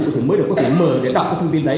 thì mới được có thể mở để đọc thông tin đấy